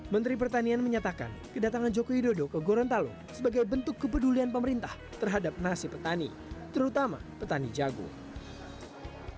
menteri pertanian menyatakan kedatangan joko widodo ke gorontalo sebagai bentuk kepedulian pemerintah terhadap nasib petani terutama petani jagung